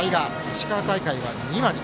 石川大会は２割。